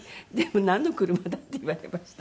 「なんの車だ？」って言われました